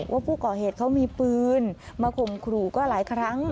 ว่าผู้ก่อเหตุเขามีปืนมาข่มขู่ก็หลายครั้ง